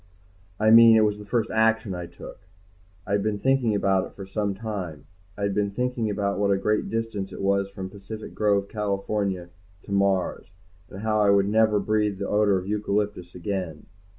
I mean it was the first action I took. I had been thinking about it for some time. I had been thinking about what a great distance it was from Pacific Grove, California to Mars, and how I would never breathe the odor of eucalyptus again.